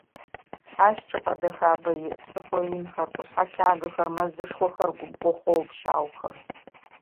Ащ чӀыпӀэ дэхабэ иӀ: псыхъо инхэр, къушъхьэ лъагэхэр, мэзышхохэр, губгъо хъоо-пщаухэр.